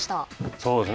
そうですね。